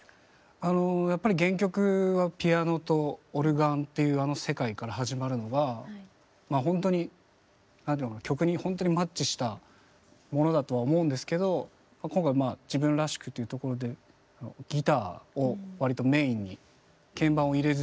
あのやっぱり原曲はピアノとオルガンっていうあの世界から始まるのがまあほんとに曲にほんとにマッチしたものだとは思うんですけど今回まあ自分らしくというところでギターを割とメインに鍵盤を入れずに結構シンプルな編成でやってます。